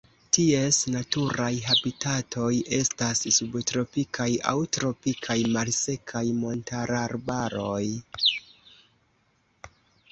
Ties naturaj habitatoj estas subtropikaj aŭ tropikaj malsekaj montararbaroj.